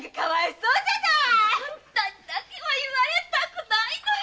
それだけは言われたくないのよ